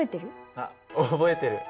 あっ覚えてる。